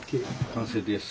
完成です。